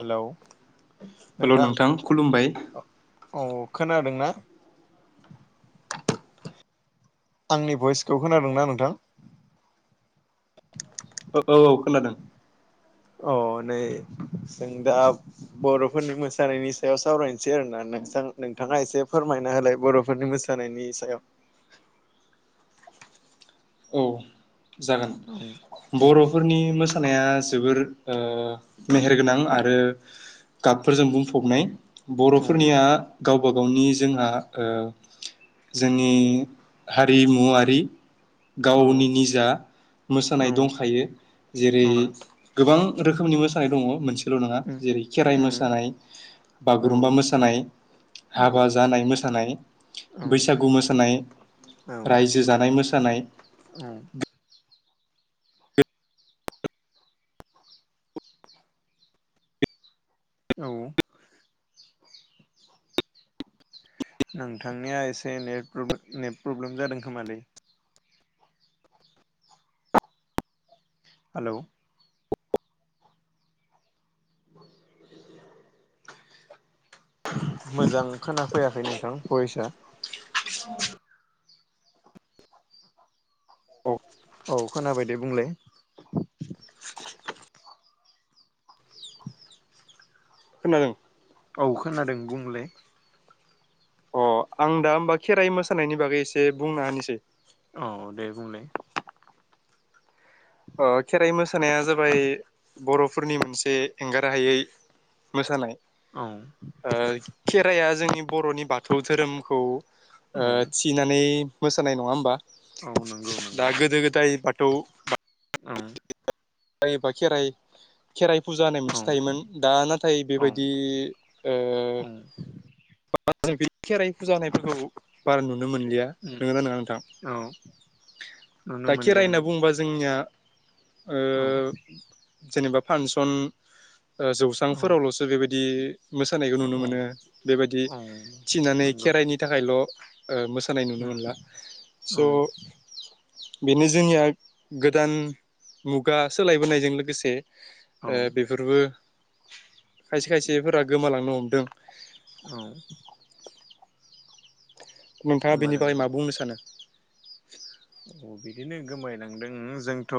Hello hello नोंथां खुलुमबाय औ खोनादों ना? आंनि भइसखौ खोनादोंना नोंथां? औ औ औ खोनादों। अ नै जों दा बर'फोरनि मोसानायनि सायाव सावरायनोसै आरोना नोंथां नोंथाङा एसे फोरमायना होलाय बर'फोरनि मोसानायनि सायाव। औ जागोन उम उम बर'फोरनि मोसा सानाया जोबोर ओ मेहेरगोनां आरो गाबफोरजों बुंफबनाय उम बर'फोरनिया गावबा गावनि जोंहा ओ जोंनि हारिमुवारि औ गावनि निजा मोसानाय औ दंखायो जेरै गोबां रोखोमनि मोसानाय दंङ मोनस सेल' नोंङा उम जेरै खेराइ उम मोसानाय, औ बागुरुम्बा मोसानाय, हाबा जानाय मोसानाय, औ बैसागु मोसानाय, औ रायजो जानाय मोसानाय। औ औ नोंथांनिया एसे नेट प्रब्रे नेट प्रब्लेम जादों खोमालै? हालौ [inaudible] मोजां खोना फैयाखै नोंथां। फयसा [inaudible] औ औ खोनाबाय दे बुंलाय खोनादों? औ खोनादों बुंलै अ आं दा होमबा खेराइ मोसानायनि बागै एसे बुंना होनोसै औ दे बुंलाय ओ खेराइ मोसानाया जाबाय बर'फोरनि मोनसे एंगारहायै मोसानाय। औ खेराइया जोंनि बर'नि बाथौ धोरोम खौ ओ औ थिनानै मोसानाय नंङा होमबा? औ नंगौ नंगौ दा गोदो गोदाय बाथ थौ औ ओय बा खेराय खेराइ फुजा होननाय औ मोनसे थायोमोन दा नाथाय औ बेबायदि ओ जे बे खेराइ फुजा होनायफोरखौ बारा नु नो मोनलिया नोंङोना नोंङा नोंथां? औ नुनो दा खेराय होनना बुंङोबा जोंनिया ओ औ जेनेबा फासन ओ औ जौसांफोरावल'सो बेबायद दि मोसानायखौ नुनो औ औ मोनो बेबायदि औ थिनानै नंगौ खेराइनि थाखायल' ओ मोसानाय नुनो औ मोनला स' बेनो जोंनिया गोदान मुगा सोलायबोनायजों लोगोसे औ ओ बेफोरबो खायसे खायसेफोरा गोमालांनो हमदों। औ [inaudible] नोंथाङा बेनि बागै गोमालांदों मा बुंनो सानो अ बिदिनो गोमालांदों जोंथ'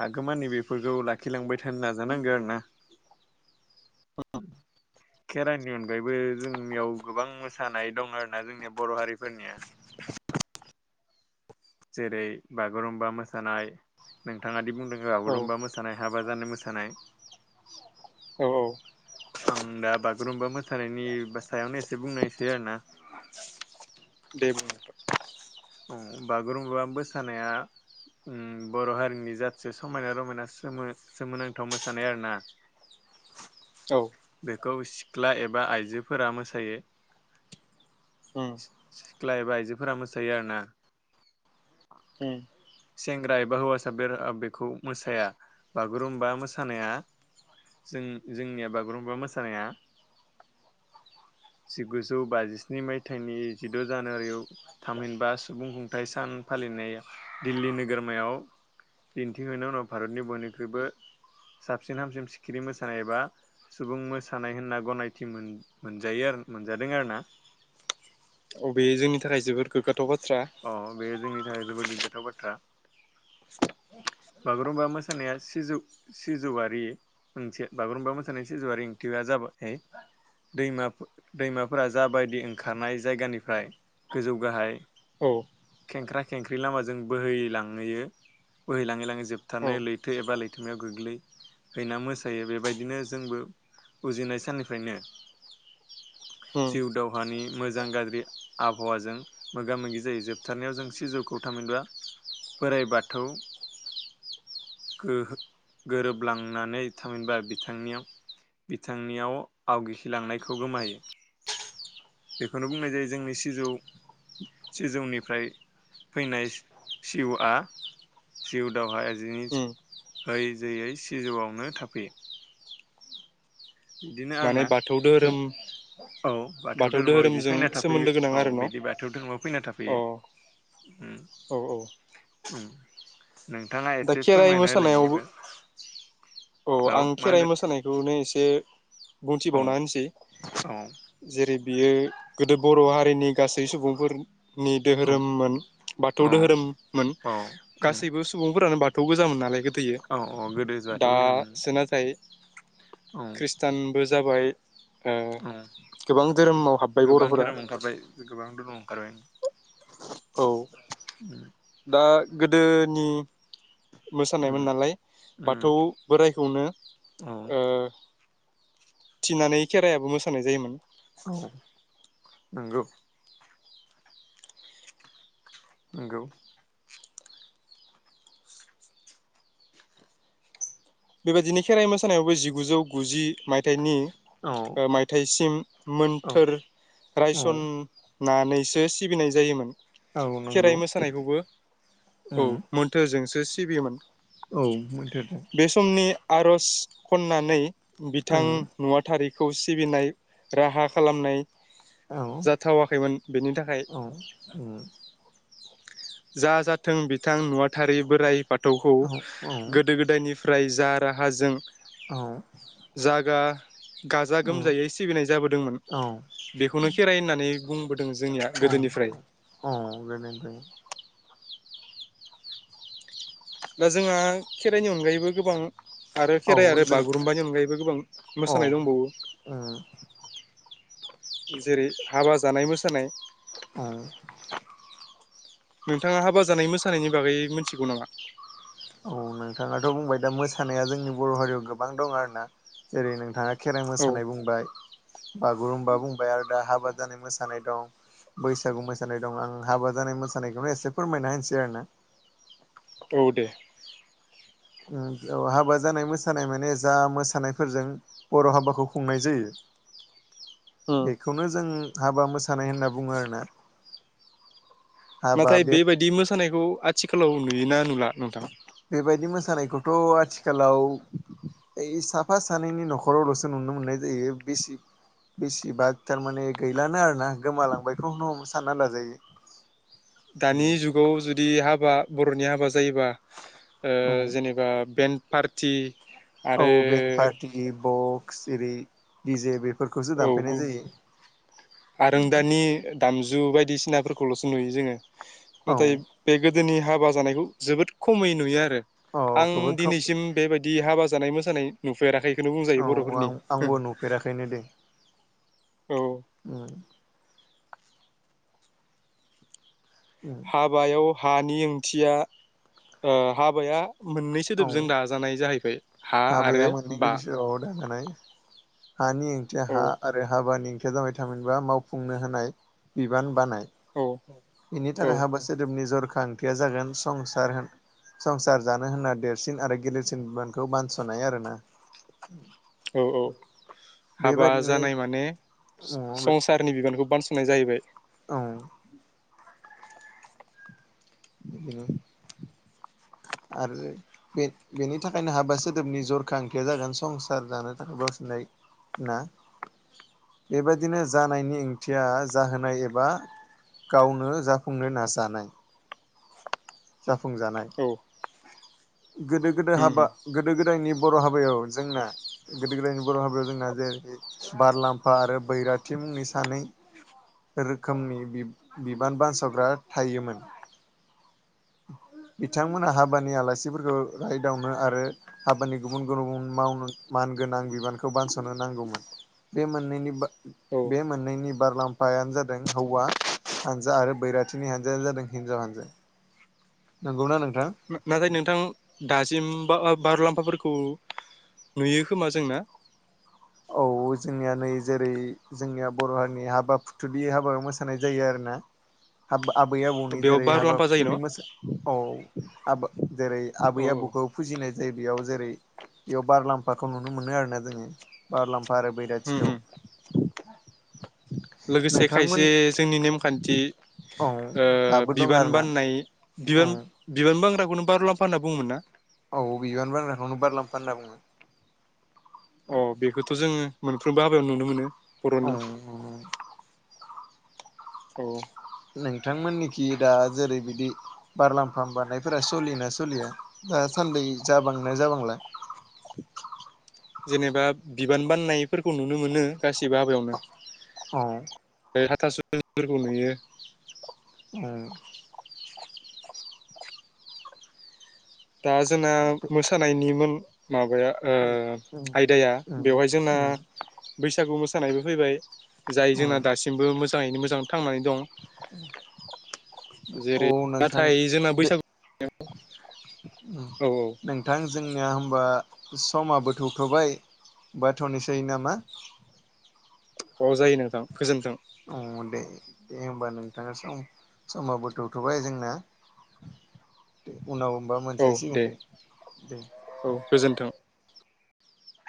हागोमानि बेफोरखौ लाखिलांबाय थानो नाजानांगौ आरो ना खेरानि अनगायैबो जोंनियाव गोबां मोसानाय दं आरो ना जोंनि बर' हारिफोरनिया जेरै बागुरुम्बा मोसानाय नोंथाङादि बुं। लोगो औ बागुरुमबा मोसानाय हाबा जानाय मोसानाय। जानाय। औ -औ-। आं दा बागुरुम्बा मोसानायनि सायावनो एसे बुंनायसै आरो ना। दे बुं। उ बागुरुम्बा मोसानाया उ बर' हारिनि जासे समायना रमायना सोमो सोमोनांथाव मोसानाय आरो ना औ बेखौ सिख्ला एबा आइजोफोरा मोसायो उम सिख्ला एबा आइजोफोरा मोसा। सायो आरोना। उम [inaudible] सेंग्रा एबा हौवासा बे बेखौ मोसाया बागुरुम्बा मोसानाया जों जोंनिया बागुरुम्बा मोसानाया जिगुजौ बाजिस्नि मायथाइनि जिद' जानुवारियाव थामहिनबा सुबुं खुंथाइ सान फालिनाय। दिल्ली नोगोरमायाव दिन्थिहनायनि उनाव भारतनि बयनिख्रुइबो साबसिन हामसिन सिखिरि मोसानाय एबा सुबुं मोसानाय होनना गनायथि मोन मोनजायो मोनजादों आरो ना। अबेयो जोंनि थाखाय जोबोर गोगाथ। अ बे जोंनि थाखाय। जोबोद गोग्गाथाव बाथ्रा। बागुरुम्बा मोसानाया सिजौ सिजौआरि ओंथि बागुरुम्बा मोसानाया सिजौआरि ओंथिया जाबाय दैम दैमाफोरा जाबायदि ओंखारनाय जायगानिफ्राय गोजौ गाहाय औ खेंख्रा खेंख्रि लामाजों बोहैलांहोयो बोहैलाङो। लां औ जोबथारनाय लैथो एबा लैथोमायाव गोग्लै हैना मोसायो बेबायदिनो जोंबो उजिनाय साननिफ्रायनो उम जिउ दावहानि मोजां गाज्रि आबहावाजों मोगा मोगि जायो जोबथारनायाव जों सिजौखौ थामिनबआ बोराइ बाथौ। गोहो गोरोबलांनानै थामहिनबा बिथां बिथांनियाव आवगिखिलांनायखौ गोमायो बेखौनो बुंनाय जायो जोंनि सिजौ सिजौनिफ्राय फैनाय सिजौआ जिव। दावहाया जिनि उम जयै जयै सिजौआवनो थाफैयो। बिदिनो माने आरोना बाथौ धोरोम औ बाथौ धोरोमाव बिदि धोरोमजों फैना थाफैयो सोमोन्दो गोनां औ आरो न' बिदि बाथौ धोरोमाव फैना अ थाफैयो। उ औ औ उ। नोंथाङा दा एसे खेराइ फोरमायना होलायनाय मोसानायावबो एबार। औ आं मा खेराइ होनदों मोसानायखौनो एसे। औ बुंथिबावना होनोसै औ जेरै। बियो गोदो बर' हारिनि गासै सुबुंफोर। नि दोहोरोममोन बाथौ औ दोहोरोममोन औ उम गासैबो सुबुंफोरानो बाथ। थ' गोजोन नालाय गोब। औ अ गोदै जाय। दासो नाथाय औ ख्रिस्टानबो जा। जाबाय। ओ औ गोबां धोरोमाव हाबबाय गोबां बर'फोरा धोरोम ओंखारबाय गोबां धोरोम ओंखारबाय। औ उम दा। गोदोनि। उम मोसानायमोन नालाय उम बाथौ बोराइखौनो औ ओ। थिनानै खेरायाबो मोसानाय जायोमोन। औ नंगौ। नंगौ। बेबायदिनो खेराइ मोसानायावबो जिगुजौ गुजि। मायथाइनि औ ओ मायथाइसिम औ मोन्थोर औ रायसन। नानैसो सिबिनाय जायोमोन औ नंगौ खेराइ मोसानायखौबो औ उम मोनथोजों थ सिबियोममोन औ मोन्थोरजों बे समनि आर'ज खन्नानै बिथां आङो नुवा थारिख खौ सिबिनाय राहा खालामनाय औ जाथावाखैमोन बेनि थाखाय औ उम जा जाथों बिथां नुवाथारि बोराय बाथौखौ औ औ गोदो गोदायनि फ्राय जा राहाजों औ जागा गाजा गोमजायै सिबिनाय जाबोदोंमोन औ बेखौनो खेराइ होननानै बुं [unintelligible] दों जोंनिया औ गोदोनिफ्राय औ गोजोनथों दा जोंहा खेराइनि अनगायैबो गोबां आरो औ खेराइ आरो जों बागुरुम्बानि अनगायैबो गोबां औ मोसानाय उम दंबावो जेरै हाबा जानाय मोसानाय औ नोंथाङा हाबा जानाय मोसानायनि बागै मिनथिगौ नामा? औ नोंथाङाथ' बुंबाय दा मोसानाया जोंनि बर' हारियाव गोबां दं आरो ना जेरै नोंथाङा खेराइ औ मोसानाय बुंबाय बागुरुम्बा बुंबाय आरो दा हाबा जानाय मोसानाय दं बैसागु मोसानाय दं आं हाबा जानाय मोसानायखौनो एसे फोरमायना होनसै आरोना औ दे औ बेयाव हाबा जानाय मोसानाय माने जा मोसानायफोरजों बर' हाबाखौ खुंनाय जायो बेखौनो जों हाबा मोसानाय होनना बुङो आरो ना नाथाय बेबायदि मो [unintelligible] [unintelligible] सानायखौ आथिखालाव नुयोना नुला नोंथाङा? बेबायदि मोसानायखौथ' आथिखालाव ओइ साफा सानैनि न'खरावल'सो नुनो मोननाय जायो बेसि बेसिबा थारमाने गैलानो आरोना गोमालांबायखौ सानना लाजायो दानि जुगाव जुदि हाब हाबा बर'नि हाबा जायोबा ओ औ जेनेबा बेन फारथि औ बें फारटि ब खिसिरि एजे बे औ गु आरो दानि दामजु बायदिसिनाफोरखौ खौ ल'सो नुयो जोंङो औ नाथाय बेग गोदोनि हाबा जानायखौ जोबोद खमै नुयो आरो औ आं जोबोद खम दिनैसिम बेबायदि दिदि हाबा जानाय मोसानाय नुफेराखै बेखौनो बुंजायो औ बर'फोरनि आं हो आंबो हो नुफेराखैनो दे [inaudible] उम हाबायाव हानि ओंथिया हाबाया मोननैसो दोबजों दाजानाय जाहैबाय हा आाबैया आरो मोननै बा गुदिसोबावो थागोनाय हानि ओंथिया औ हा आरो हाबानि ओंथि जाबाय थामिबा मावफुंनो होनाय बिबान बानाय औ बिनि औ थाखाय हाबासोद निजर खांथिया जागोन संसार जानो होनना देरसिन आरो गिलेरसिन मोन बेखौ बानस'नाय आरो ना औ औ हाबा बेबायदिनो जानाय माने संसारनि बिबानखौ बानस'नाय जाहैबाय औ बिदिनो आरो बे बेनि थाखायनो हाबा सोदोबनि जरखा ओंखया जागोन संसार जानो थाखाय गावसनाय ना बेबादिनो जानायनि ओंथिया जाहोनाय एबा गावनो जाफुंनो नाजानाय जाफुंजानाय औ गोदो गोदो उम हाबा उम गोदो गोदायनि बर' हाबायाव जोंना गोदो गोदायनि बर' हाबायाव जोंना जेरै बारलामफा आरो बैराथि मुंनि सानै रोखोमनि बिबान बानस'ग्रा थायोमोन बिथांमोना हाबानि आलासिफोरखौ रायदावनो आरो हाबानि गुबुन गुबुन गुबुन मानगोनां बिबानखौ बानस'नो नांगौमोन बे मोननैनि औ बे मोननैनि बारलाम्फायानो जादों हौवा हानजा आरो बैराथिनि हानजायानो जादों हिनजाव हानजा नंगौना नोंथां नाथाय नोंथां दासिम बा बारु मुलाम्फाफोरखौ नुयो खोमा जोंना औ जोंनिया नै जेरै जोंनिया बर' हारिनि हाबा फुथुलि हाबा मोसानाय जायो आरोना हाबा आबै आबौनि बेयाव जेरै हाबा बारलाम्फा जायो फलि न' मोसा औ आ जेरै आबै औ औ आबौखौ फुजिनाय जे बेयाव जेरै बेयाव बार लाम्फाखौ नुनो मोनो आरो ना जोंङो बारलां ओ ओ लोगोसे नोंथांमोन खायसे जोंनि नेमखान्थि औ दाबो दं बिबान आरोना बाननाय औ बियोन बियोन। बांग्राखौनो बारुलामफा होनना बुङोमोनना। फानना बुङो। अ बेखौथ' जोङो। मोनफ्रोमबो हाबायाव नुनो मोनो। बर'नि अं। थायो। नोंथांमोननिखि दा जेरै बिदि बारलामफाम बारनायफोरा सलियोना सलिया दासान्दै जाबांना जाबांला। जेनेबा बिबान बान्नायफोरखौ नुनो मोनो। गाससिबो हाबायावनो। औ ओ हाथासुफोरखौ नुयो। औ। दा जोंना मोसानायनिमोन। माबाया ओ उम आयदाया बेवहाय जोंना। उम बैसागु मोसानायबो फैबाय। जाय उम जोंना दासिमबो मोजाङैनो मोजां। थांनानै दं औ जे-रै नोंथां नाथाय जोंना बैसागु [inaudible] [unintelligible] उम औ नोंथां जोंनिया होम बा समाबो थौथ'बाय बाथ'नोसै नामा। अ जायो नोंथां गोजोन्थों। अ दे-देहोमबा नोंथाङा सम समाबो थौथ'बाय जोंना दे। उनाव होमबा औ मोनज्लायसिगोन दे दे-दे। औ गोजोन्थों